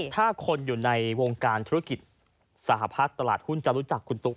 ถ้าคนอยู่ในวงการธุรกิจสหพัฒน์ตลาดหุ้นจะรู้จักคุณตุ๊ก